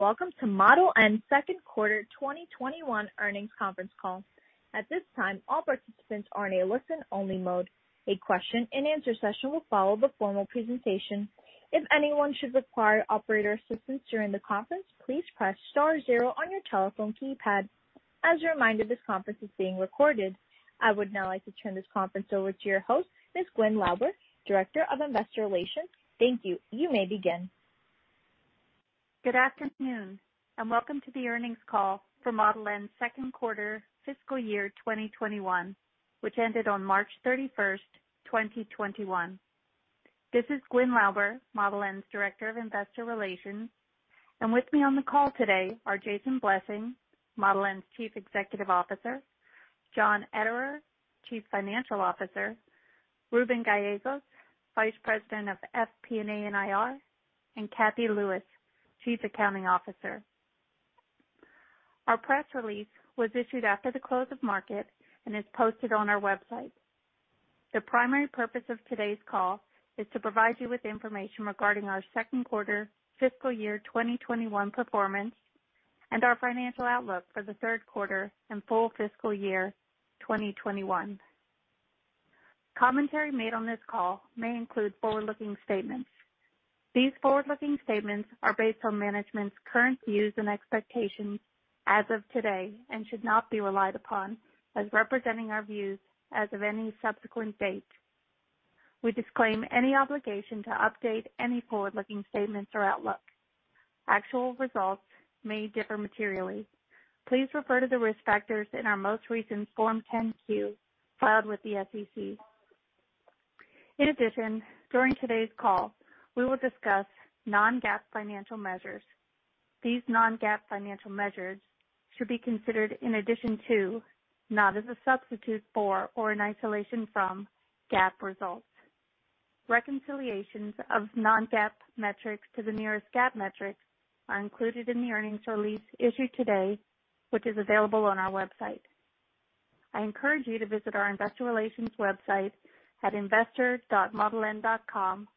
Welcome to Model N second quarter 2021 earnings conference call. I would now like to turn this conference over to your host, Ms. Gwyn Lauber, Director of Investor Relations. Thank you. You may begin. Good afternoon. Welcome to the earnings call for Model N's second quarter fiscal year 2021, which ended on March 31st, 2021. This is Gwyn Lauber, Model N's Director of Investor Relations, and with me on the call today are Jason Blessing, Model N's Chief Executive Officer, John Ederer, Chief Financial Officer, Ruben Gallegos, Vice President of FP&A and IR, and Cathy Lewis, Chief Accounting Officer. Our press release was issued after the close of market and is posted on our website. The primary purpose of today's call is to provide you with information regarding our second quarter fiscal year 2021 performance and our financial outlook for the third quarter and full fiscal year 2021. Commentary made on this call may include forward-looking statements. These forward-looking statements are based on management's current views and expectations as of today and should not be relied upon as representing our views as of any subsequent date. We disclaim any obligation to update any forward-looking statements or outlook. Actual results may differ materially. Please refer to the risk factors in our most recent Form 10-Q filed with the SEC. In addition, during today's call, we will discuss non-GAAP financial measures. These non-GAAP financial measures should be considered in addition to, not as a substitute for or in isolation from, GAAP results. Reconciliations of non-GAAP metrics to the nearest GAAP metrics are included in the earnings release issued today, which is available on our website. I encourage you to visit our investor relations website at investor.modeln.com to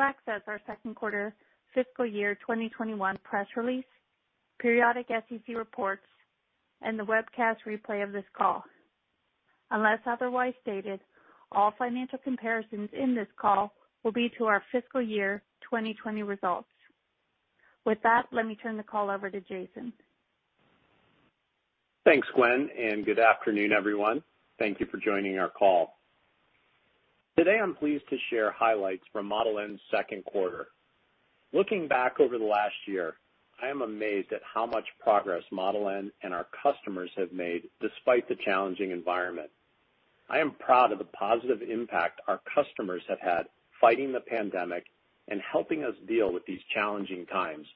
access our second quarter fiscal year 2021 press release, periodic SEC reports, and the webcast replay of this call. Unless otherwise stated, all financial comparisons in this call will be to our fiscal year 2020 results. With that, let me turn the call over to Jason. Thanks, Gwyn, good afternoon, everyone. Thank you for joining our call. Today, I'm pleased to share highlights from Model N's second quarter. Looking back over the last year, I am amazed at how much progress Model N and our customers have made despite the challenging environment. I am proud of the positive impact our customers have had fighting the pandemic and helping us deal with these challenging times.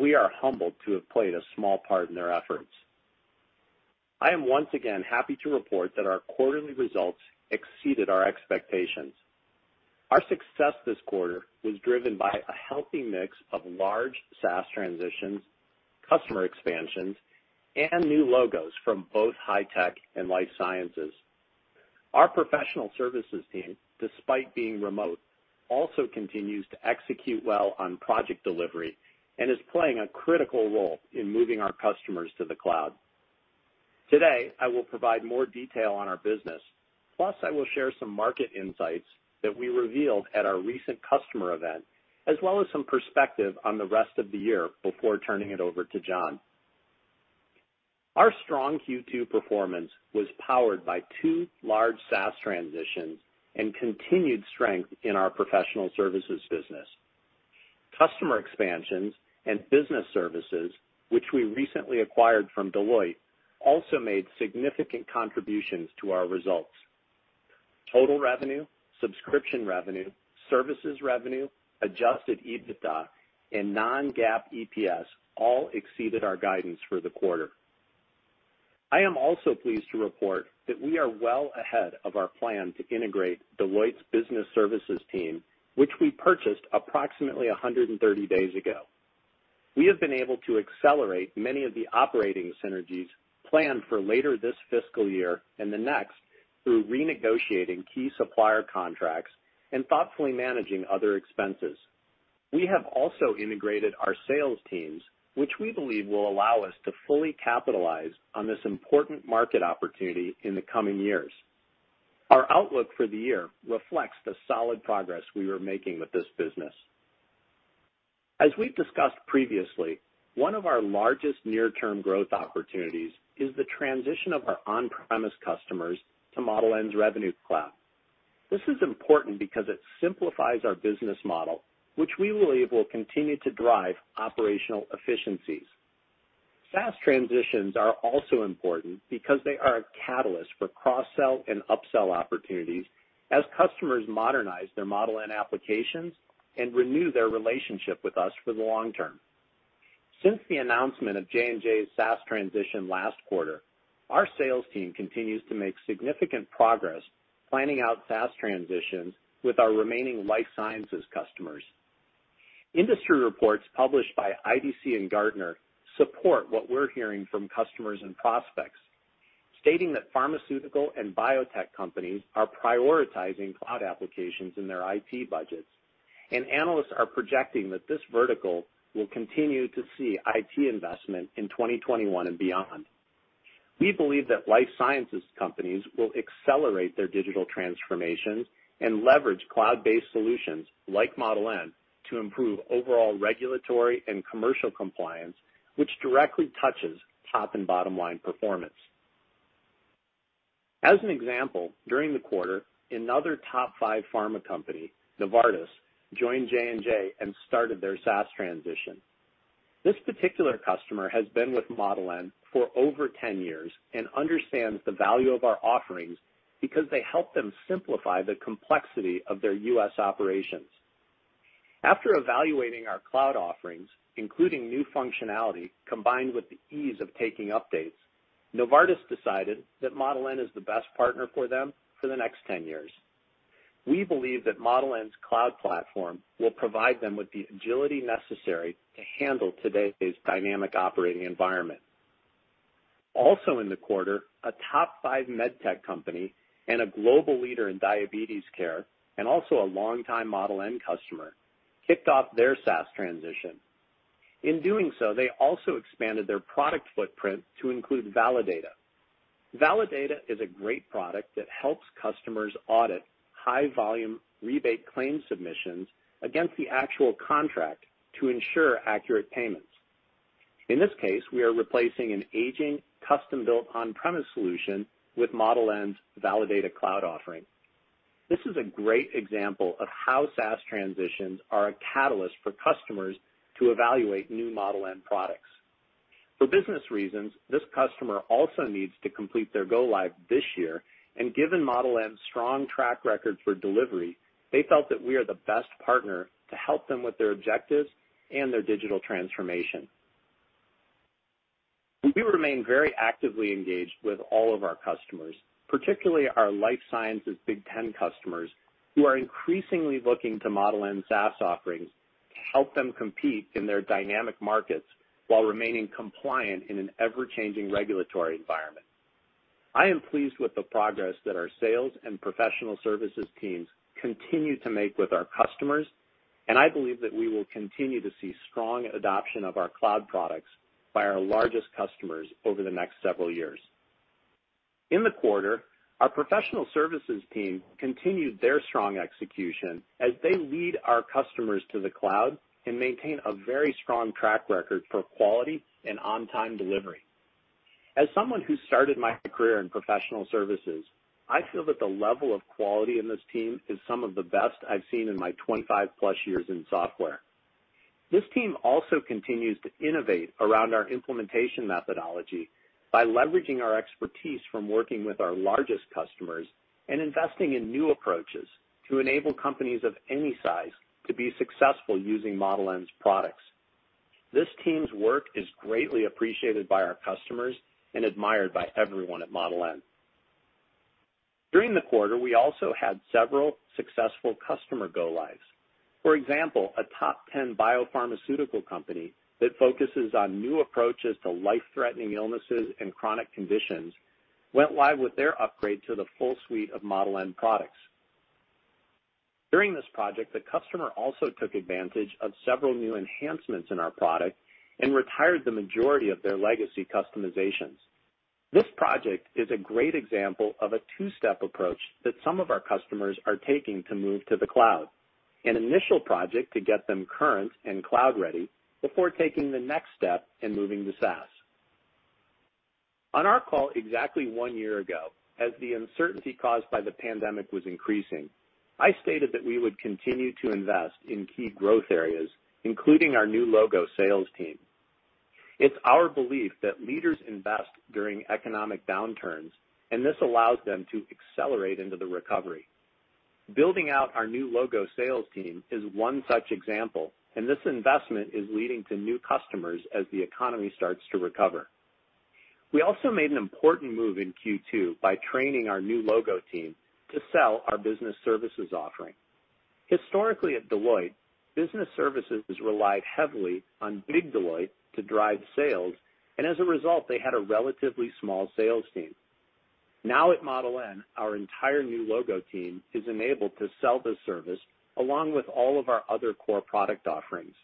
We are humbled to have played a small part in their efforts. I am once again happy to report that our quarterly results exceeded our expectations. Our success this quarter was driven by a healthy mix of large SaaS transitions, customer expansions, and new logos from both high-tech and life sciences. Our professional services team, despite being remote, also continues to execute well on project delivery and is playing a critical role in moving our customers to the cloud. Today, I will provide more detail on our business. Plus, I will share some market insights that we revealed at our recent customer event, as well as some perspective on the rest of the year before turning it over to John. Our strong Q2 performance was powered by two large SaaS transitions and continued strength in our professional services business. Customer expansions and business services, which we recently acquired from Deloitte, also made significant contributions to our results. Total revenue, subscription revenue, services revenue, adjusted EBITDA, and non-GAAP EPS all exceeded our guidance for the quarter. I am also pleased to report that we are well ahead of our plan to integrate Deloitte's business services team, which we purchased approximately 130 days ago. We have been able to accelerate many of the operating synergies planned for later this fiscal year and the next through renegotiating key supplier contracts and thoughtfully managing other expenses. We have also integrated our sales teams, which we believe will allow us to fully capitalize on this important market opportunity in the coming years. Our outlook for the year reflects the solid progress we were making with this business. As we've discussed previously, one of our largest near-term growth opportunities is the transition of our on-premise customers to Model N's Revenue Cloud. This is important because it simplifies our business model, which we believe will continue to drive operational efficiencies. SaaS transitions are also important because they are a catalyst for cross-sell and upsell opportunities as customers modernize their Model N applications and renew their relationship with us for the long term. Since the announcement of J&J's SaaS transition last quarter, our sales team continues to make significant progress planning out SaaS transitions with our remaining life sciences customers. Industry reports published by IDC and Gartner support what we're hearing from customers and prospects. Stating that pharmaceutical and biotech companies are prioritizing cloud applications in their IT budgets, analysts are projecting that this vertical will continue to see IT investment in 2021 and beyond. We believe that life sciences companies will accelerate their digital transformations and leverage cloud-based solutions like Model N to improve overall regulatory and commercial compliance, which directly touches top and bottom line performance. As an example, during the quarter, another top five pharma company, Novartis, joined J&J and started their SaaS transition. This particular customer has been with Model N for over 10 years and understands the value of our offerings because they help them simplify the complexity of their U.S. operations. After evaluating our cloud offerings, including new functionality, combined with the ease of taking updates, Novartis decided that Model N is the best partner for them for the next 10 years. We believe that Model N's cloud platform will provide them with the agility necessary to handle today's dynamic operating environment. In the quarter, a top five med tech company and a global leader in diabetes care, and also a longtime Model N customer, kicked off their SaaS transition. In doing so, they also expanded their product footprint to include Validata. Validata is a great product that helps customers audit high-volume rebate claim submissions against the actual contract to ensure accurate payments. In this case, we are replacing an aging, custom-built on-premise solution with Model N's Validata cloud offering. This is a great example of how SaaS transitions are a catalyst for customers to evaluate new Model N products. For business reasons, this customer also needs to complete their go-live this year, and given Model N's strong track record for delivery, they felt that we are the best partner to help them with their objectives and their digital transformation. We remain very actively engaged with all of our customers, particularly our life sciences Big 10 customers, who are increasingly looking to Model N SaaS offerings to help them compete in their dynamic markets while remaining compliant in an ever-changing regulatory environment. I am pleased with the progress that our sales and professional services teams continue to make with our customers, and I believe that we will continue to see strong adoption of our cloud products by our largest customers over the next several years. In the quarter, our professional services team continued their strong execution as they lead our customers to the cloud and maintain a very strong track record for quality and on-time delivery. As someone who started my career in professional services, I feel that the level of quality in this team is some of the best I've seen in my 25+ years in software. This team also continues to innovate around our implementation methodology by leveraging our expertise from working with our largest customers and investing in new approaches to enable companies of any size to be successful using Model N's products. This team's work is greatly appreciated by our customers and admired by everyone at Model N. During the quarter, we also had several successful customer go-lives. For example, a top 10 biopharmaceutical company that focuses on new approaches to life-threatening illnesses and chronic conditions went live with their upgrade to the full suite of Model N products. During this project, the customer also took advantage of several new enhancements in our product and retired the majority of their legacy customizations. This project is a great example of a two-step approach that some of our customers are taking to move to the cloud. An initial project to get them current and cloud ready before taking the next step and moving to SaaS. On our call exactly one year ago, as the uncertainty caused by the pandemic was increasing, I stated that we would continue to invest in key growth areas, including our new logo sales team. It's our belief that leaders invest during economic downturns, and this allows them to accelerate into the recovery. Building out our new logo sales team is one such example, and this investment is leading to new customers as the economy starts to recover. We also made an important move in Q2 by training our new logo team to sell our business services offering. Historically at Deloitte, business services relied heavily on big Deloitte to drive sales, and as a result, they had a relatively small sales team. Now at Model N, our entire new logo team is enabled to sell this service along with all of our other core product offerings.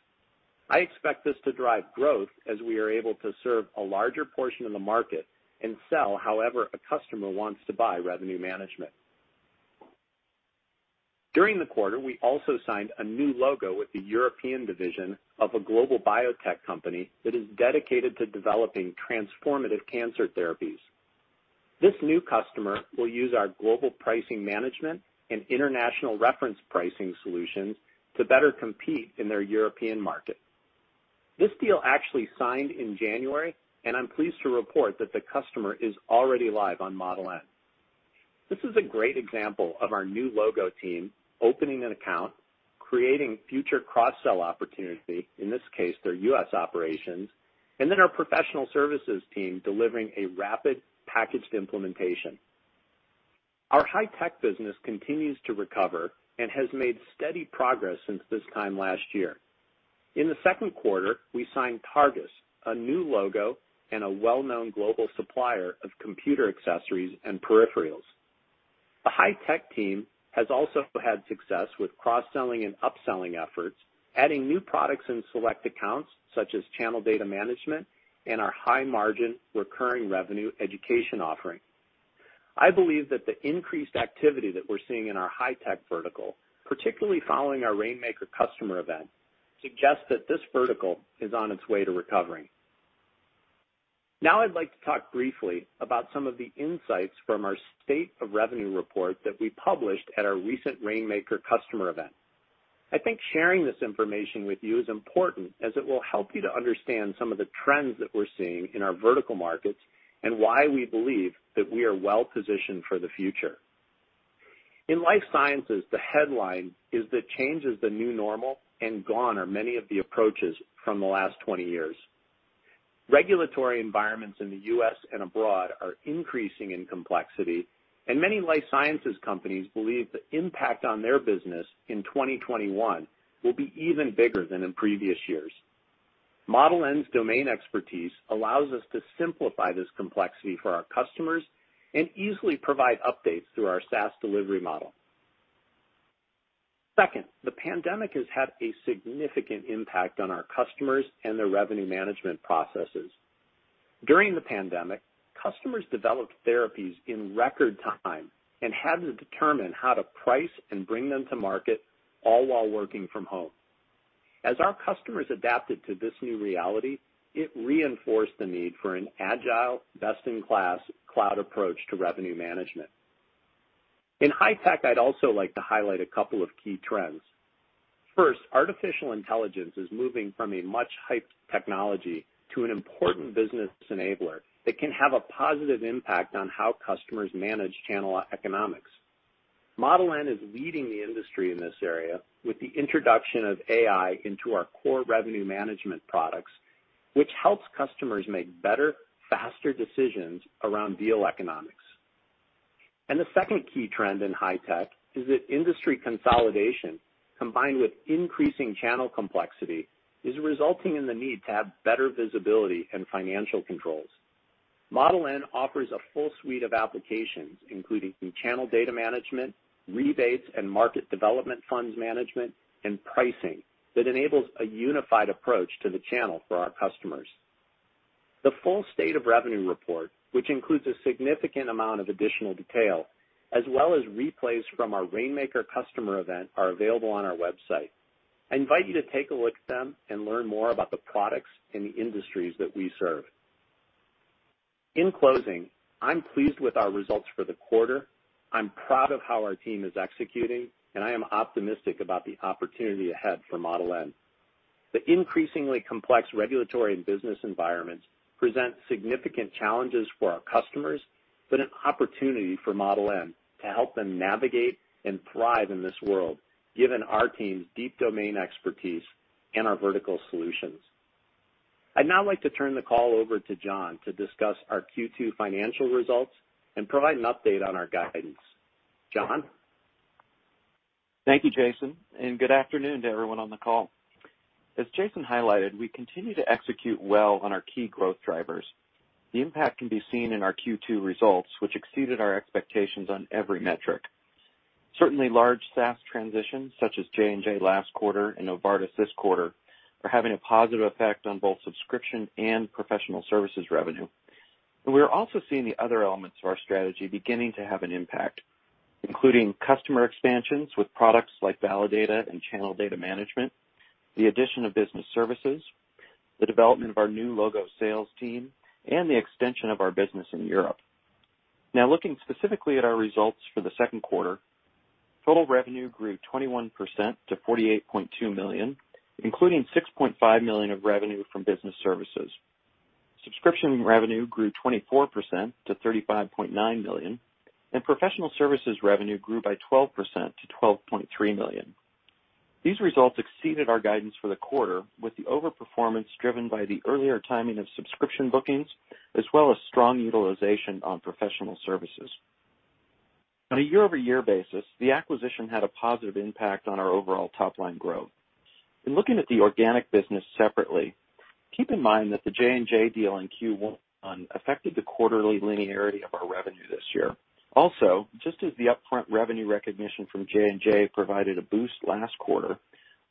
I expect this to drive growth as we are able to serve a larger portion of the market and sell however a customer wants to buy revenue management. During the quarter, we also signed a new logo with the European division of a global biotech company that is dedicated to developing transformative cancer therapies. This new customer will use our Global Pricing Management and International Reference Pricing solutions to better compete in their European market. This deal actually signed in January, I'm pleased to report that the customer is already live on Model N. This is a great example of our new logo team opening an account, creating future cross-sell opportunity, in this case, their U.S. operations, and then our professional services team delivering a rapid packaged implementation. Our high-tech business continues to recover and has made steady progress since this time last year. In the second quarter, we signed Targus, a new logo, and a well-known global supplier of computer accessories and peripherals. The high-tech team has also had success with cross-selling and upselling efforts, adding new products in select accounts such as Channel Data Management and our high-margin recurring revenue education offering. I believe that the increased activity that we're seeing in our high-tech vertical, particularly following our Rainmaker customer event, suggests that this vertical is on its way to recovering. I'd like to talk briefly about some of the insights from our State of Revenue report that we published at our recent Rainmaker customer event. I think sharing this information with you is important, as it will help you to understand some of the trends that we're seeing in our vertical markets and why we believe that we are well-positioned for the future. In life sciences, the headline is that change is the new normal and gone are many of the approaches from the last 20 years. Regulatory environments in the U.S. and abroad are increasing in complexity, and many life sciences companies believe the impact on their business in 2021 will be even bigger than in previous years. Model N's domain expertise allows us to simplify this complexity for our customers and easily provide updates through our SaaS delivery model. Second, the pandemic has had a significant impact on our customers and their revenue management processes. During the pandemic, customers developed therapies in record time and had to determine how to price and bring them to market, all while working from home. As our customers adapted to this new reality, it reinforced the need for an agile, best-in-class cloud approach to revenue management. In high tech, I'd also like to highlight a couple of key trends. First, artificial intelligence is moving from a much-hyped technology to an important business enabler that can have a positive impact on how customers manage channel economics. Model N is leading the industry in this area with the introduction of AI into our core revenue management products, which helps customers make better, faster decisions around deal economics. The second key trend in high tech is that industry consolidation, combined with increasing channel complexity, is resulting in the need to have better visibility and financial controls. Model N offers a full suite of applications, including Channel Data Management, rebates, and Market Development Funds management, and pricing that enables a unified approach to the channel for our customers. The full State of Revenue report, which includes a significant amount of additional detail, as well as replays from our Rainmaker customer event, are available on our website. I invite you to take a look at them and learn more about the products and the industries that we serve. In closing, I'm pleased with our results for the quarter. I'm proud of how our team is executing, and I am optimistic about the opportunity ahead for Model N. The increasingly complex regulatory and business environments present significant challenges for our customers, but an opportunity for Model N to help them navigate and thrive in this world, given our team's deep domain expertise and our vertical solutions. I'd now like to turn the call over to John to discuss our Q2 financial results and provide an update on our guidance. John? Thank you, Jason. Good afternoon to everyone on the call. As Jason highlighted, we continue to execute well on our key growth drivers. The impact can be seen in our Q2 results, which exceeded our expectations on every metric. Certainly large SaaS transitions, such as J&J last quarter and Novartis this quarter, are having a positive effect on both subscription and professional services revenue. We are also seeing the other elements of our strategy beginning to have an impact, including customer expansions with products like Validata and Channel Data Management, the addition of business services, the development of our new logo sales team, and the extension of our business in Europe. Looking specifically at our results for the second quarter, total revenue grew 21% to $48.2 million, including $6.5 million of revenue from business services. Subscription revenue grew 24% to $35.9 million. Professional services revenue grew by 12% to $12.3 million. These results exceeded our guidance for the quarter, with the overperformance driven by the earlier timing of subscription bookings, as well as strong utilization on professional services. On a year-over-year basis, the acquisition had a positive impact on our overall top-line growth. In looking at the organic business separately, keep in mind that the J&J deal in Q1 affected the quarterly linearity of our revenue this year. Just as the upfront revenue recognition from J&J provided a boost last quarter,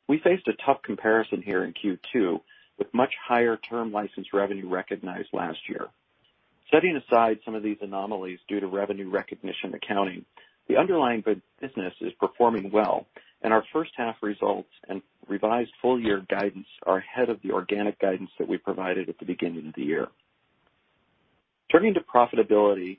we faced a tough comparison here in Q2 with much higher term license revenue recognized last year. Setting aside some of these anomalies due to revenue recognition accounting, the underlying business is performing well, and our first half results and revised full-year guidance are ahead of the organic guidance that we provided at the beginning of the year. Turning to profitability,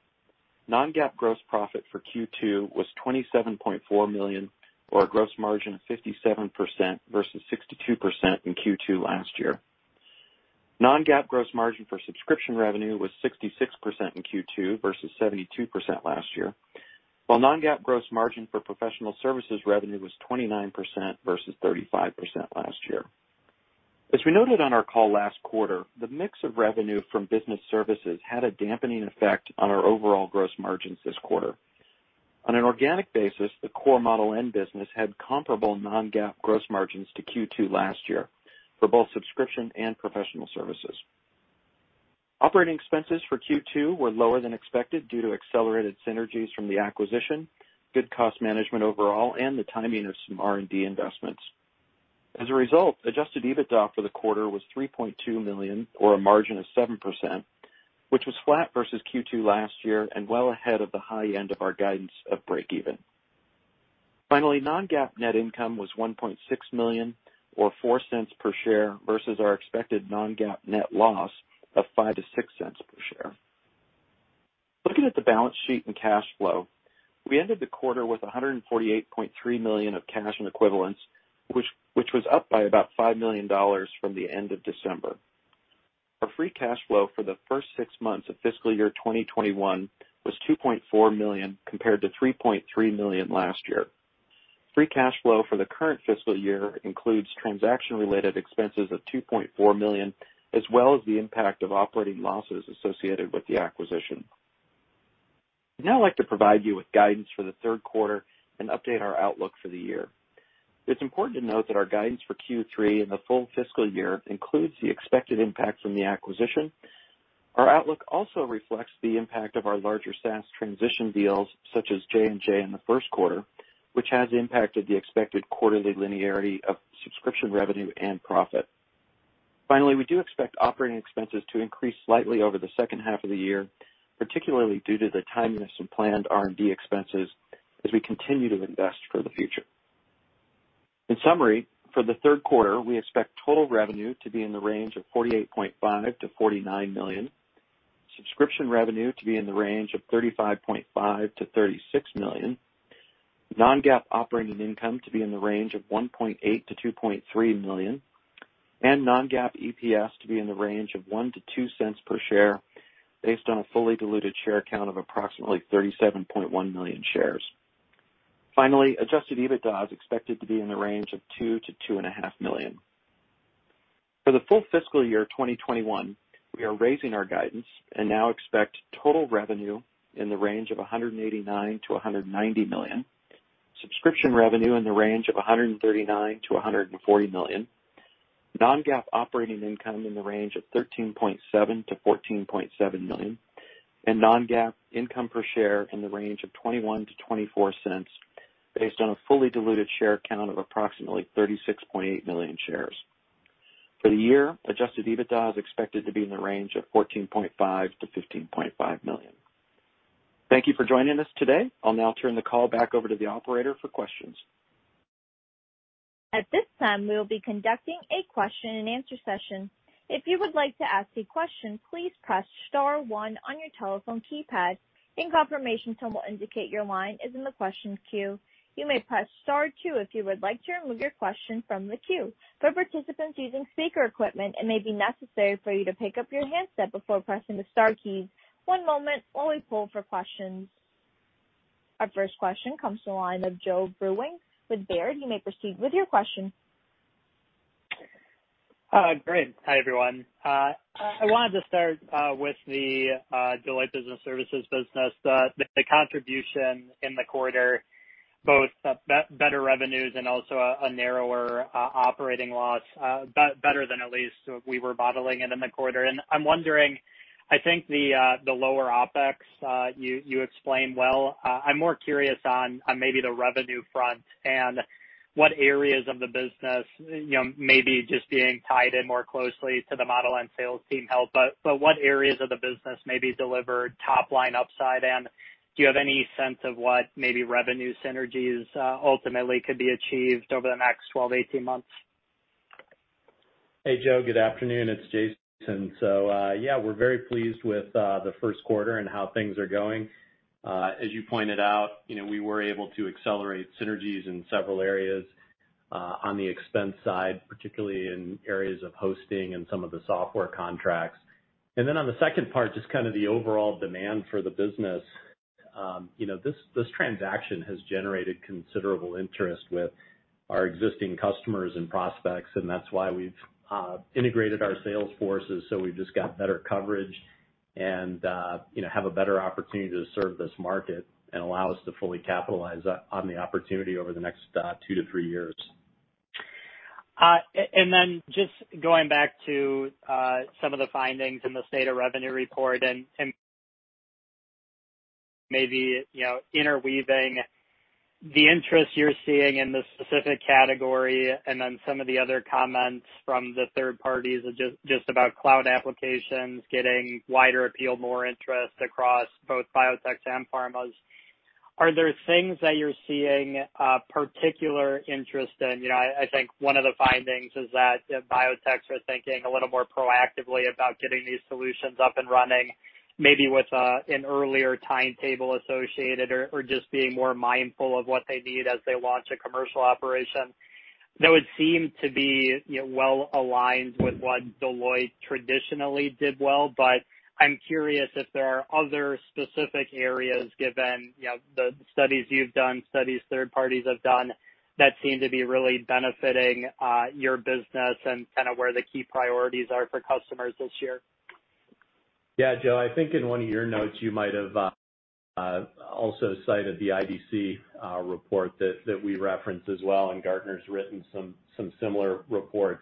non-GAAP gross profit for Q2 was $27.4 million, or a gross margin of 57% versus 62% in Q2 last year. Non-GAAP gross margin for subscription revenue was 66% in Q2 versus 72% last year, while non-GAAP gross margin for professional services revenue was 29% versus 35% last year. As we noted on our call last quarter, the mix of revenue from business services had a dampening effect on our overall gross margins this quarter. On an organic basis, the core Model N business had comparable non-GAAP gross margins to Q2 last year for both subscription and professional services. Operating expenses for Q2 were lower than expected due to accelerated synergies from the acquisition, good cost management overall, and the timing of some R&D investments. As a result, adjusted EBITDA for the quarter was $3.2 million or a margin of 7%, which was flat versus Q2 last year and well ahead of the high end of our guidance of breakeven. non-GAAP net income was $1.6 million or $0.04 per share versus our expected non-GAAP net loss of $0.05-$0.06 per share. Looking at the balance sheet and cash flow, we ended the quarter with $148.3 million of cash and equivalents, which was up by about $5 million from the end of December. Our free cash flow for the first six months of fiscal year 2021 was $2.4 million compared to $3.3 million last year. Free cash flow for the current fiscal year includes transaction-related expenses of $2.4 million, as well as the impact of operating losses associated with the acquisition. I'd now like to provide you with guidance for the third quarter and update our outlook for the year. It's important to note that our guidance for Q3 and the full fiscal year includes the expected impact from the acquisition. Our outlook also reflects the impact of our larger SaaS transition deals such as J&J in the first quarter, which has impacted the expected quarterly linearity of subscription revenue and profit. We do expect operating expenses to increase slightly over the second half of the year, particularly due to the timing of some planned R&D expenses as we continue to invest for the future. In summary, for the third quarter, we expect total revenue to be in the range of $48.5 million-$49 million, subscription revenue to be in the range of $35.5 million-$36 million, non-GAAP operating income to be in the range of $1.8 million-$2.3 million, and non-GAAP EPS to be in the range of $0.01-$0.02 per share based on a fully diluted share count of approximately 37.1 million shares. Adjusted EBITDA is expected to be in the range of $2 million-$2.5 million. For the full fiscal year 2021, we are raising our guidance and now expect total revenue in the range of $189 million-$190 million, subscription revenue in the range of $139 million-$140 million, non-GAAP operating income in the range of $13.7 million-$14.7 million, and non-GAAP income per share in the range of $0.21-$0.24 based on a fully diluted share count of approximately 36.8 million shares. For the year, adjusted EBITDA is expected to be in the range of $14.5 million-$15.5 million. Thank you for joining us today. I'll now turn the call back over to the operator for questions. Our first question comes to the line of Joe Vruwink with Baird. You may proceed with your question. Great. Hi, everyone. I wanted to start with the Deloitte Business Services business. The contribution in the quarter, both better revenues and also a narrower operating loss, better than at least we were modeling it in the quarter. I'm wondering, I think the lower OpEx, you explained well. I'm more curious on maybe the revenue front and what areas of the business, maybe just being tied in more closely to the Model N sales team help, but what areas of the business maybe delivered top-line upside? Do you have any sense of what maybe revenue synergies ultimately could be achieved over the next 12 months-18 months? Hey, Joe. Good afternoon. It's Jason. We're very pleased with the first quarter and how things are going. As you pointed out, we were able to accelerate synergies in several areas, on the expense side, particularly in areas of hosting and some of the software contracts. On the second part, just kind of the overall demand for the business. This transaction has generated considerable interest with our existing customers and prospects, and that's why we've integrated our sales forces, so we've just got better coverage and have a better opportunity to serve this market and allow us to fully capitalize on the opportunity over the next two to three years. Just going back to some of the findings in the State of Revenue report and maybe interweaving the interest you're seeing in the specific category and then some of the other comments from the third parties just about cloud applications getting wider appeal, more interest across both biotechs and pharmas. Are there things that you're seeing a particular interest in? I think one of the findings is that biotechs are thinking a little more proactively about getting these solutions up and running, maybe with an earlier timetable associated or just being more mindful of what they need as they launch a commercial operation. That would seem to be well-aligned with what Deloitte traditionally did well. I'm curious if there are other specific areas given the studies you've done, studies third parties have done, that seem to be really benefiting your business and kind of where the key priorities are for customers this year. Yeah, Joe, I think in one of your notes, you might have also cited the IDC report that we reference as well. Gartner's written some similar reports.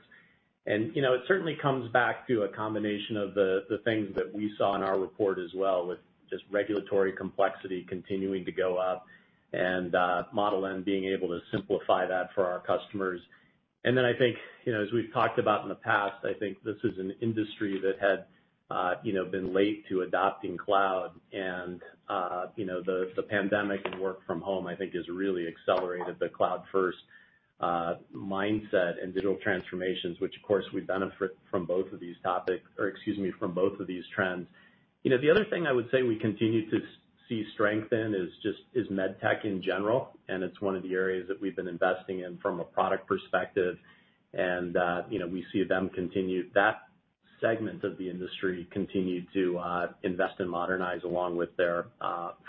It certainly comes back to a combination of the things that we saw in our report as well, with just regulatory complexity continuing to go up and Model N being able to simplify that for our customers. I think, as we've talked about in the past, I think this is an industry that had been late to adopting cloud and the pandemic and work from home, I think, has really accelerated the cloud-first mindset and digital transformations, which of course we benefit from both of these trends. The other thing I would say we continue to see strength in is med tech in general. It's one of the areas that we've been investing in from a product perspective. We see that segment of the industry continue to invest and modernize along with their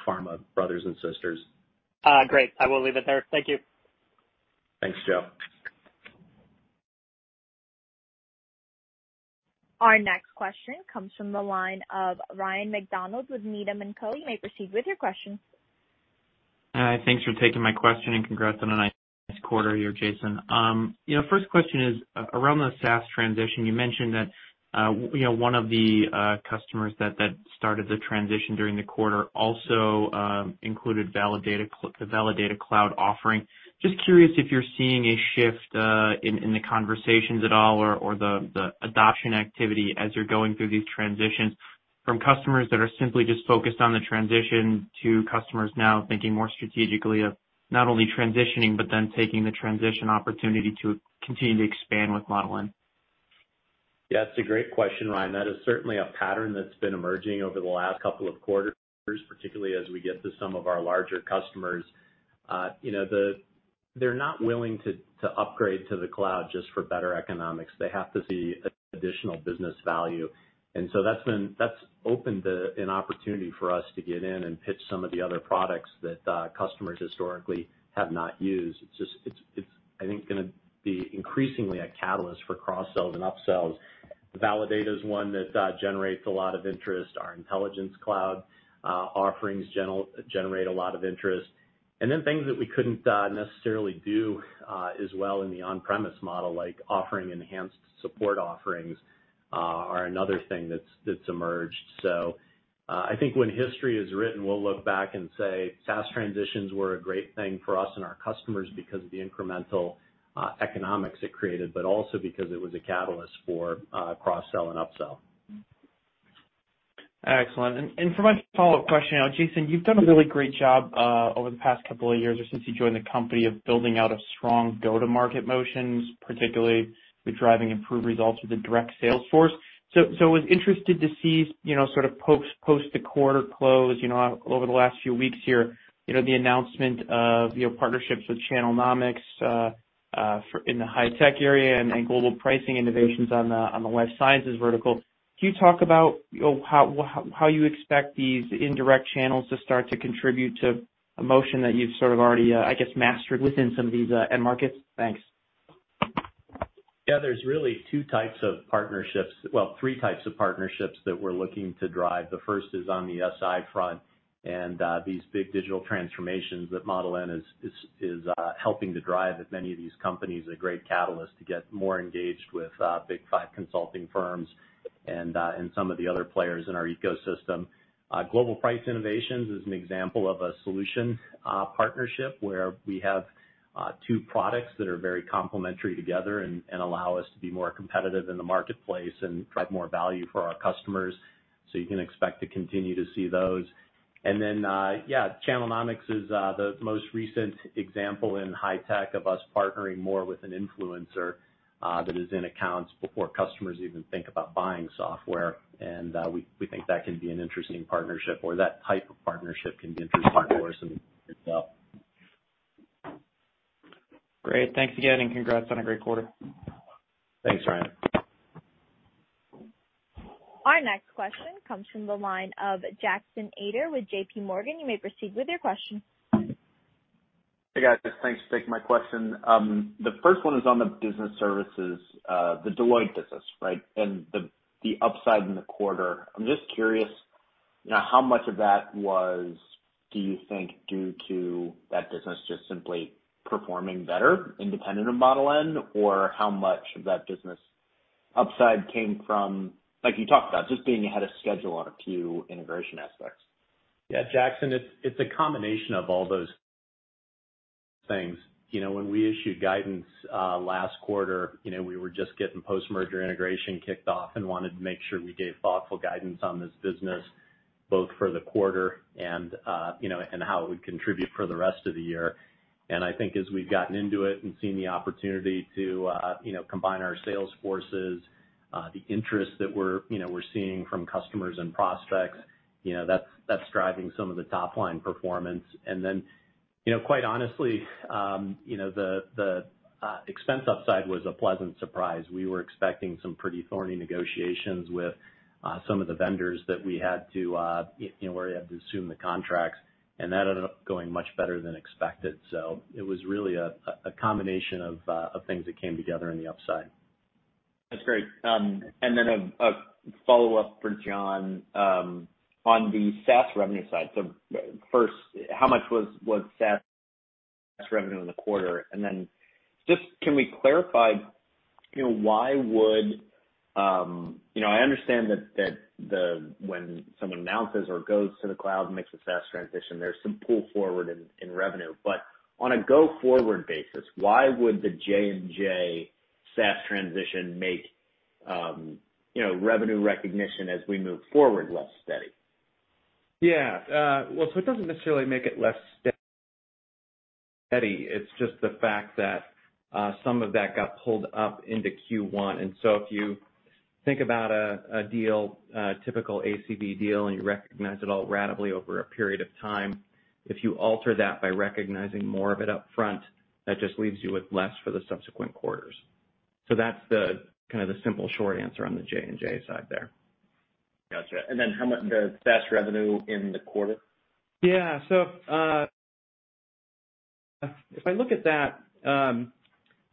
pharma brothers and sisters. Great. I will leave it there. Thank you. Thanks, Joe. Our next question comes from the line of Ryan MacDonald with Needham & Company. You may proceed with your question. Hi. Thanks for taking my question and congrats on a nice quarter here, Jason. First question is around the SaaS transition. You mentioned that one of the customers that started the transition during the quarter also included the Validata cloud offering. Just curious if you're seeing a shift in the conversations at all or the adoption activity as you're going through these transitions from customers that are simply just focused on the transition to customers now thinking more strategically of not only transitioning, but then taking the transition opportunity to continue to expand with Model N. Yeah, it's a great question, Ryan. That is certainly a pattern that's been emerging over the last couple of quarters, particularly as we get to some of our larger customers. They're not willing to upgrade to the cloud just for better economics. They have to see additional business value. That's opened an opportunity for us to get in and pitch some of the other products that customers historically have not used. It's, I think, going to be increasingly a catalyst for cross-sells and up-sells. Validata's one that generates a lot of interest. Our Intelligence Cloud offerings generate a lot of interest. Things that we couldn't necessarily do as well in the on-premise model, like offering enhanced support offerings are another thing that's emerged. I think when history is written, we'll look back and say SaaS transitions were a great thing for us and our customers because of the incremental economics it created, but also because it was a catalyst for cross-sell and up-sell. Excellent. For my follow-up question, Jason, you've done a really great job over the past couple of years or since you joined the company of building out a strong go-to-market motions, particularly with driving improved results with the direct sales force. I was interested to see, sort of post the quarter close, over the last few weeks here, the announcement of partnerships with Channelnomics in the high tech area and Global Pricing Innovations on the life sciences vertical. Can you talk about how you expect these indirect channels to start to contribute to a motion that you've sort of already, I guess, mastered within some of these end markets? Thanks. Yeah, there's really two types of partnerships, well, three types of partnerships that we're looking to drive. The first is on the SI front and these big digital transformations that Model N is helping to drive at many of these companies, a great catalyst to get more engaged with big five consulting firms and some of the other players in our ecosystem. Global Pricing Innovations is an example of a solution partnership where we have two products that are very complementary together and allow us to be more competitive in the marketplace and drive more value for our customers. You can expect to continue to see those. Yeah, Channelnomics is the most recent example in high tech of us partnering more with an influencer that is in accounts before customers even think about buying software. We think that can be an interesting partnership, or that type of partnership can be interesting for us and itself. Great. Thanks again. Congrats on a great quarter. Thanks, Ryan. Our next question comes from the line of Jackson Ader with JPMorgan. You may proceed with your question. Hey, guys. Thanks for taking my question. The first one is on the business services, the Deloitte business, right? The upside in the quarter. I'm just curious, how much of that was, do you think, due to that business just simply performing better independent of Model N? How much of that business upside came from, like you talked about, just being ahead of schedule on a few integration aspects? Yeah, Jackson, it's a combination of all those things. When we issued guidance last quarter, we were just getting post-merger integration kicked off and wanted to make sure we gave thoughtful guidance on this business, both for the quarter and how it would contribute for the rest of the year. I think as we've gotten into it and seen the opportunity to combine our sales forces, the interest that we're seeing from customers and prospects, that's driving some of the top-line performance. Quite honestly, the expense upside was a pleasant surprise. We were expecting some pretty thorny negotiations with some of the vendors that we had to assume the contracts, and that ended up going much better than expected. It was really a combination of things that came together in the upside. That's great. A follow-up for John on the SaaS revenue side. First, how much was SaaS revenue in the quarter? Just can we clarify, I understand that when someone announces or goes to the cloud and makes a SaaS transition, there's some pull forward in revenue. On a go-forward basis, why would the J&J SaaS transition make revenue recognition as we move forward less steady? Well, it doesn't necessarily make it less steady. It's just the fact that some of that got pulled up into Q1. If you think about a typical ACV deal, and you recognize it all ratably over a period of time, if you alter that by recognizing more of it up front, that just leaves you with less for the subsequent quarters. That's the simple short answer on the J&J side there. Got you. How much was SaaS revenue in the quarter? If I look at that, and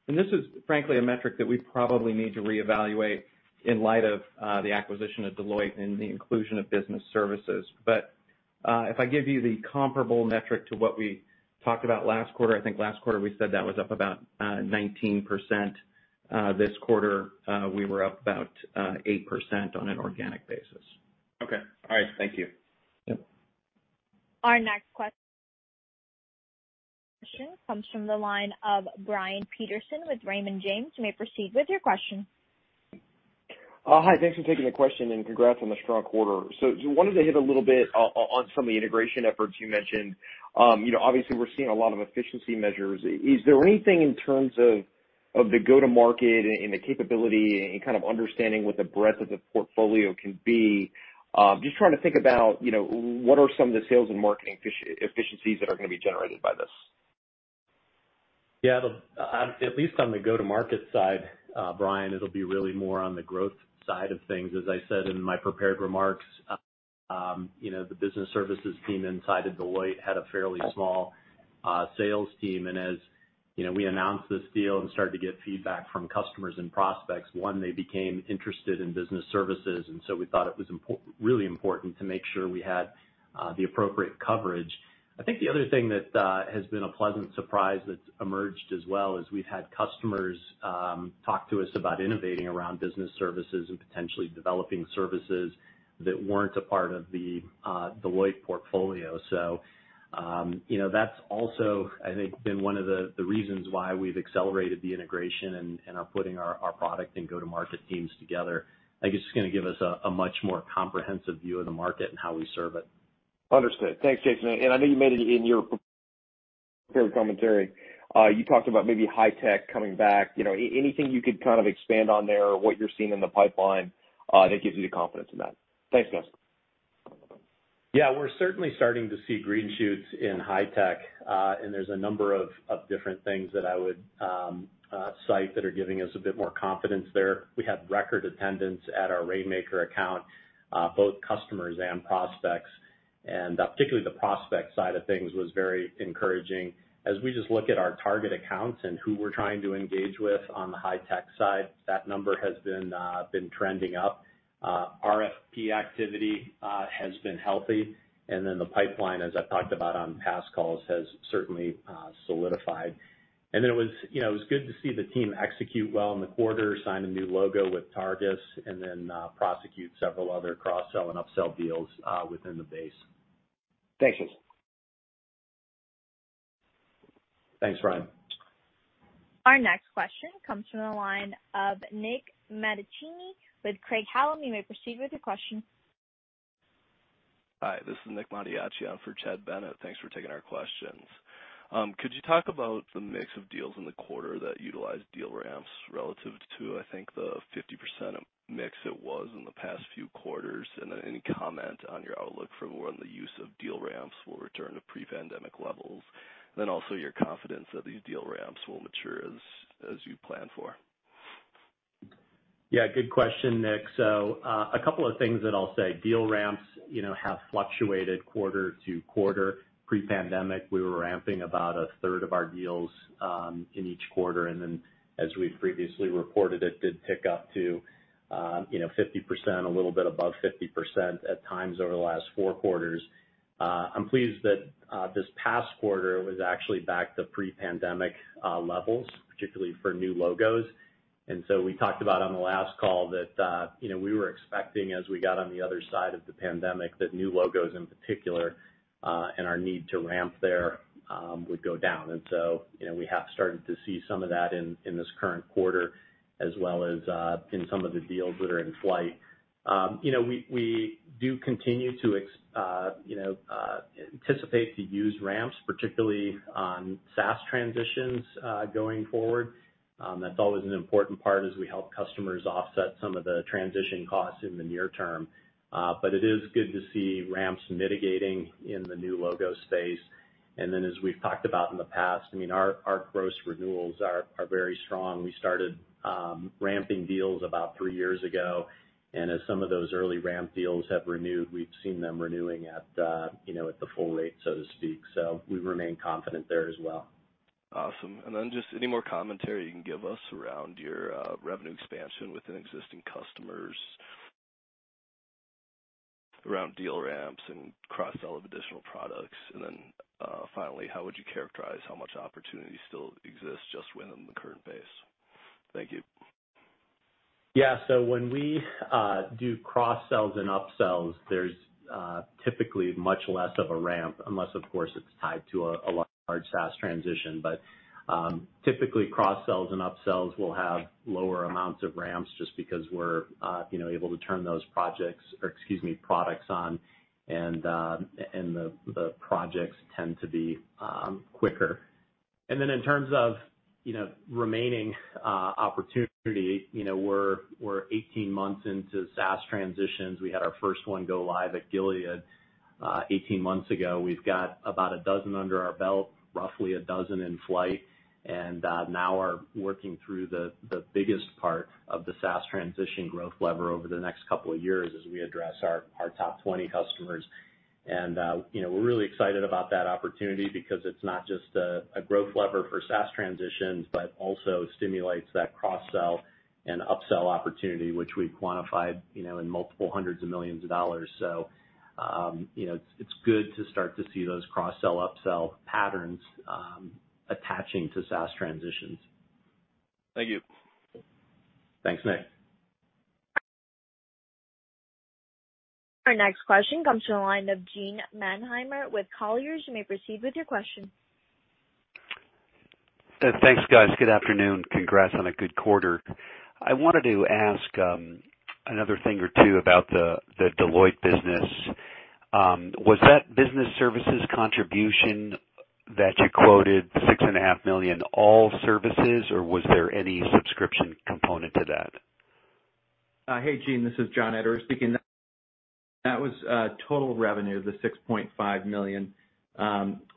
this is frankly a metric that we probably need to reevaluate in light of the acquisition of Deloitte and the inclusion of business services. If I give you the comparable metric to what we talked about last quarter, I think last quarter, we said that was up about 19%. This quarter, we were up about 8% on an organic basis. Okay. All right. Thank you. Yep. Our next question comes from the line of Brian Peterson with Raymond James. You may proceed with your question. Hi. Thanks for taking the question, and congrats on the strong quarter. I wanted to hit a little bit on some of the integration efforts you mentioned. Obviously, we're seeing a lot of efficiency measures. Is there anything in terms of the go-to-market and the capability and kind of understanding what the breadth of the portfolio can be? Just trying to think about what are some of the sales and marketing efficiencies that are going to be generated by this. Yeah. At least on the go-to-market side, Brian, it'll be really more on the growth side of things. As I said in my prepared remarks, the business services team inside of Deloitte had a fairly small sales team, and as we announced this deal and started to get feedback from customers and prospects, one, they became interested in business services, and so we thought it was really important to make sure we had the appropriate coverage. I think the other thing that has been a pleasant surprise that's emerged as well is we've had customers talk to us about innovating around business services and potentially developing services that weren't a part of the Deloitte portfolio. That's also, I think, been one of the reasons why we've accelerated the integration and are putting our product and go-to-market teams together. I think it's just going to give us a much more comprehensive view of the market and how we serve it. Understood. Thanks, Jason. I know you made it in your prepared commentary, you talked about maybe high tech coming back. Anything you could kind of expand on there or what you're seeing in the pipeline that gives you the confidence in that? Thanks, guys. Yeah. We're certainly starting to see green shoots in high tech. There's a number of different things that I would cite that are giving us a bit more confidence there. We had record attendance at our Rainmaker, both customers and prospects, and particularly the prospect side of things was very encouraging. As we just look at our target accounts and who we're trying to engage with on the high tech side, that number has been trending up. RFP activity has been healthy, the pipeline, as I've talked about on past calls, has certainly solidified. It was good to see the team execute well in the quarter, sign a new logo with Targus, and then prosecute several other cross-sell and upsell deals within the base. Thanks, Jason. Thanks, Brian. Our next question comes from the line of Nick Mattiacci with Craig-Hallum. You may proceed with your question. Hi, this is Nick Mattiacci for Chad Bennett. Thanks for taking our questions. Could you talk about the mix of deals in the quarter that utilized deal ramps relative to, I think, the 50% mix it was in the past few quarters? Any comment on your outlook for when the use of deal ramps will return to pre-pandemic levels? Also your confidence that these deal ramps will mature as you plan for. Yeah, good question, Nick. A couple of things that I'll say. Deal ramps have fluctuated quarter-to-quarter. Pre-pandemic, we were ramping about a third of our deals in each quarter, and as we previously reported, it did tick up to 50%, a little bit above 50% at times over the last four quarters. I'm pleased that this past quarter was actually back to pre-pandemic levels, particularly for new logos. We talked about on the last call that we were expecting as we got on the other side of the pandemic that new logos in particular, and our need to ramp there would go down. We have started to see some of that in this current quarter as well as in some of the deals that are in flight. We do continue to anticipate to use ramps, particularly on SaaS transitions going forward. That's always an important part as we help customers offset some of the transition costs in the near term. It is good to see ramps mitigating in the new logo space. As we've talked about in the past, our gross renewals are very strong. We started ramping deals about three years ago, and as some of those early ramp deals have renewed, we've seen them renewing at the full rate, so to speak. We remain confident there as well. Awesome. Then just any more commentary you can give us around your revenue expansion within existing customers, around deal ramps and cross-sell of additional products. Then, finally, how would you characterize how much opportunity still exists just within the current base? Thank you. Yeah. When we do cross-sells and up-sells, there's typically much less of a ramp, unless of course, it's tied to a large SaaS transition. Typically, cross-sells and up-sells will have lower amounts of ramps just because we're able to turn those products on, and the projects tend to be quicker. In terms of remaining opportunity, we're 18 months into SaaS transitions. We had our first one go live at Gilead 18 months ago. We've got about a dozen under our belt, roughly a dozen in flight, and now are working through the biggest part of the SaaS transition growth lever over the next couple of years as we address our top 20 customers. We're really excited about that opportunity because it's not just a growth lever for SaaS transitions, but also stimulates that cross-sell and up-sell opportunity, which we've quantified in multiple hundreds of millions of dollars. It's good to start to see those cross-sell, up-sell patterns attaching to SaaS transitions. Thank you. Thanks, Nick. Our next question comes from the line of Gene Mannheimer with Colliers. You may proceed with your question. Thanks, guys. Good afternoon. Congrats on a good quarter. I wanted to ask another thing or two about the Deloitte business. Was that business services contribution that you quoted, six and a half million, all services, or was there any subscription component to that? Hey, Gene, this is John Ederer speaking. That was total revenue, the $6.5 million.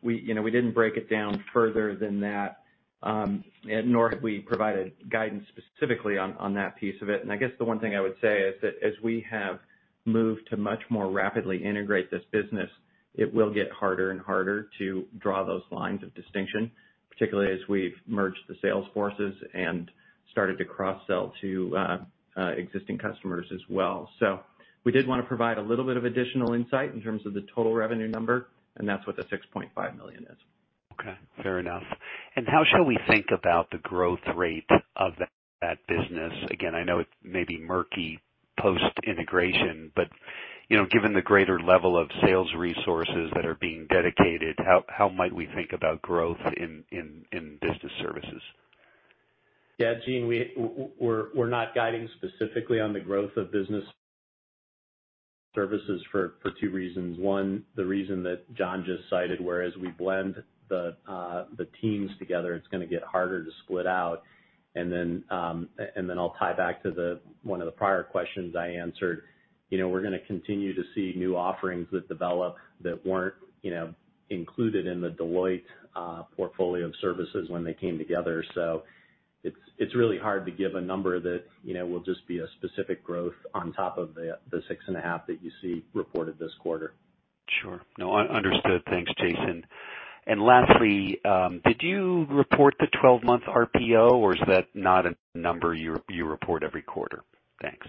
We didn't break it down further than that, nor have we provided guidance specifically on that piece of it. I guess the one thing I would say is that as we have moved to much more rapidly integrate this business, it will get harder and harder to draw those lines of distinction, particularly as we've merged the sales forces and started to cross-sell to existing customers as well. We did want to provide a little bit of additional insight in terms of the total revenue number, and that's what the $6.5 million is. Okay, fair enough. How should we think about the growth rate of that business? Again, I know it may be murky post-integration, but given the greater level of sales resources that are being dedicated, how might we think about growth in business services? Yeah, Gene, we're not guiding specifically on the growth of business services for two reasons. One, the reason that John just cited, where as we blend the teams together, it's going to get harder to split out. Then I'll tie back to one of the prior questions I answered. We're going to continue to see new offerings that develop that weren't included in the Deloitte portfolio of services when they came together. It's really hard to give a number that will just be a specific growth on top of the 6.5 that you see reported this quarter. Sure. No, understood. Thanks, Jason. Lastly, did you report the 12-month RPO, or is that not a number you report every quarter? Thanks.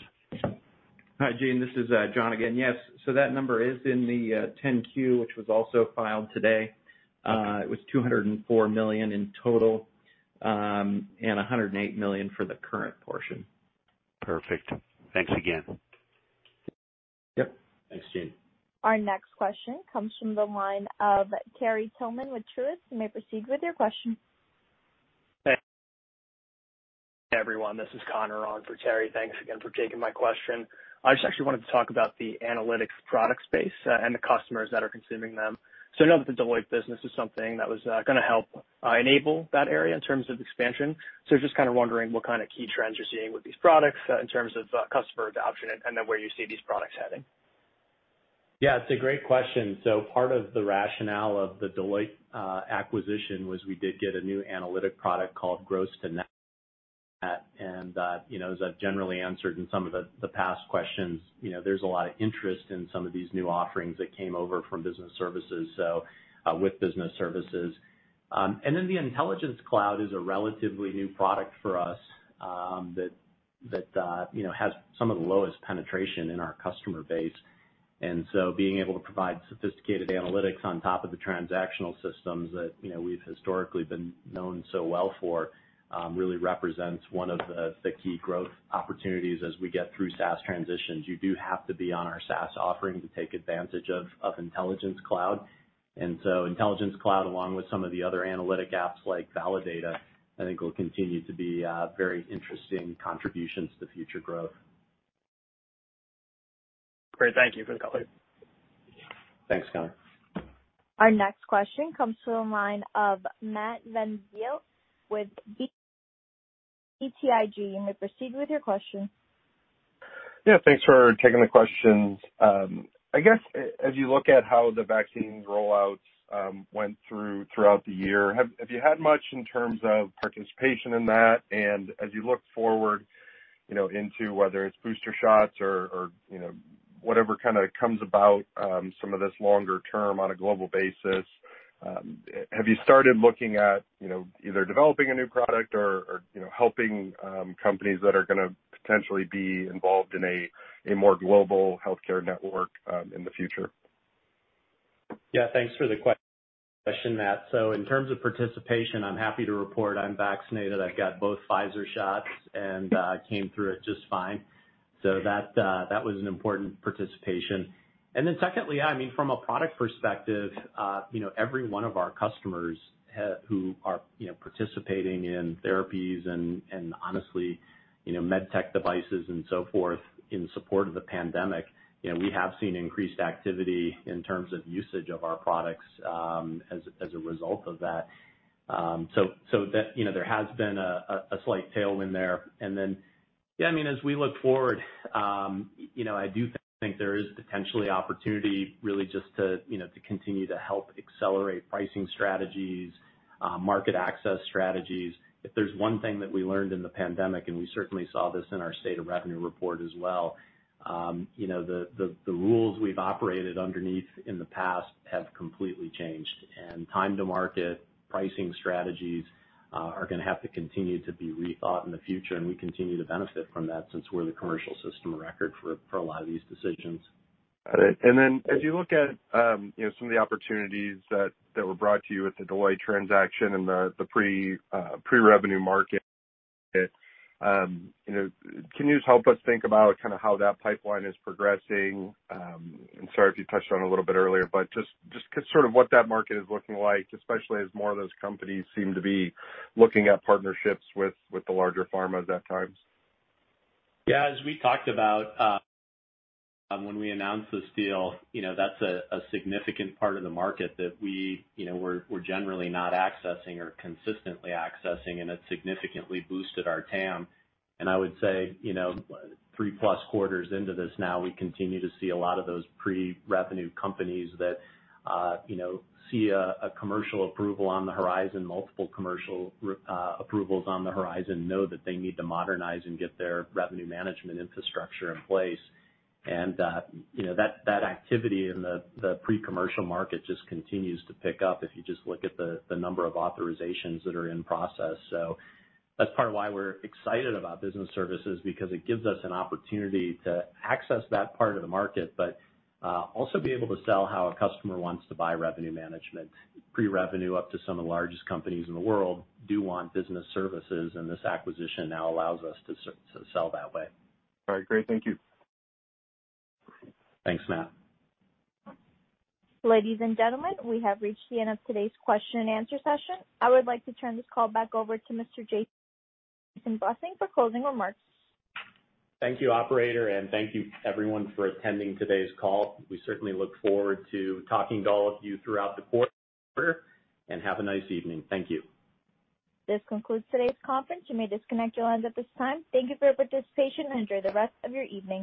Hi, Gene. This is John again. Yes. That number is in the 10-Q, which was also filed today. It was $204 million in total, and $108 million for the current portion. Perfect. Thanks again. Yep. Thanks, Gene. Our next question comes from the line of Terry Tillman with Truist. You may proceed with your question. Hey, everyone. This is Connor on for Terry. Thanks again for taking my question. I just actually wanted to talk about the analytics product space and the customers that are consuming them. I know that the Deloitte business is something that was going to help enable that area in terms of expansion. Just kind of wondering what kind of key trends you're seeing with these products in terms of customer adoption and then where you see these products heading. Yeah, it's a great question. Part of the rationale of the Deloitte acquisition was we did get a new analytic product called Gross to Net. As I've generally answered in some of the past questions, there's a lot of interest in some of these new offerings that came over from business services, so with business services. The Intelligence Cloud is a relatively new product for us that has some of the lowest penetration in our customer base. Being able to provide sophisticated analytics on top of the transactional systems that we've historically been known so well for really represents one of the key growth opportunities as we get through SaaS transitions. You do have to be on our SaaS offering to take advantage of Intelligence Cloud. Intelligence Cloud, along with some of the other analytic apps like Validata, I think will continue to be very interesting contributions to future growth. Great. Thank you for the color. Thanks, Connor. Our next question comes from the line of Matt VanVliet with BTIG. You may proceed with your question. Yeah. Thanks for taking the questions. I guess as you look at how the vaccine rollouts went through throughout the year, have you had much in terms of participation in that? As you look forward. Into whether it's booster shots or whatever comes about some of this longer term on a global basis. Have you started looking at either developing a new product or helping companies that are going to potentially be involved in a more global healthcare network in the future? Yeah. Thanks for the question, Matt. In terms of participation, I'm happy to report I'm vaccinated. I've got both Pfizer shots and came through it just fine. That was an important participation. Secondly, from a product perspective, every one of our customers who are participating in therapies and honestly med tech devices and so forth in support of the pandemic, we have seen increased activity in terms of usage of our products as a result of that. There has been a slight tailwind there. As we look forward, I do think there is potentially opportunity really just to continue to help accelerate pricing strategies, market access strategies. If there's one thing that we learned in the pandemic, and we certainly saw this in our State of Revenue report as well, the rules we've operated underneath in the past have completely changed. Time to market, pricing strategies are going to have to continue to be rethought in the future, and we continue to benefit from that since we're the commercial system of record for a lot of these decisions. Got it. As you look at some of the opportunities that were brought to you with the Deloitte transaction and the pre-revenue market, can you just help us think about how that pipeline is progressing? I'm sorry if you touched on it a little bit earlier, but just sort of what that market is looking like, especially as more of those companies seem to be looking at partnerships with the larger pharmas at times. As we talked about when we announced this deal, that's a significant part of the market that we're generally not accessing or consistently accessing, and it significantly boosted our TAM. I would say, 3+ quarters into this now, we continue to see a lot of those pre-revenue companies that see a commercial approval on the horizon, multiple commercial approvals on the horizon, know that they need to modernize and get their revenue management infrastructure in place. That activity in the pre-commercial market just continues to pick up if you just look at the number of authorizations that are in process. That's part of why we're excited about business services, because it gives us an opportunity to access that part of the market, but also be able to sell how a customer wants to buy revenue management. Pre-revenue up to some of the largest companies in the world do want business services, and this acquisition now allows us to sell that way. All right. Great. Thank you. Thanks, Matt. Ladies and gentlemen, we have reached the end of today's question and answer session. I would like to turn this call back over to Mr. Jason Blessing for closing remarks. Thank you, operator, and thank you everyone for attending today's call. We certainly look forward to talking to all of you throughout the quarter, and have a nice evening. Thank you. This concludes today's conference. You may disconnect your lines at this time. Thank you for your participation and enjoy the rest of your evening.